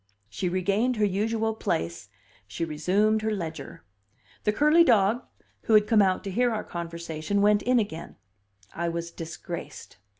She regained her usual place, she resumed her ledger; the curly dog, who had come out to hear our conversation, went in again; I was disgraced.